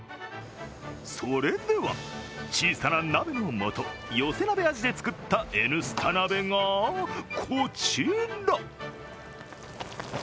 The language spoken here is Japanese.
それでは、小さな鍋の素寄せ鍋味で作った「Ｎスタ」鍋がこちら。